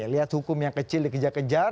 lihat hukum yang kecil dikejar kejar